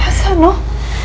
ya usah noh